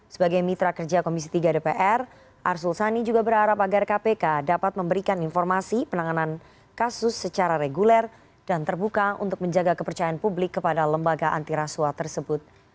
sebagai mitra kerja komisi tiga dpr arsul sani juga berharap agar kpk dapat memberikan informasi penanganan kasus secara reguler dan terbuka untuk menjaga kepercayaan publik kepada lembaga antiraswa tersebut